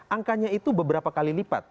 angkanya itu beberapa kali lipat